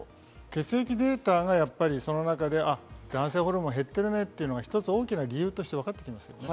血液データがその中で男性ホルモンが減ってるねというのが一つ大きな理由としてわかってきます。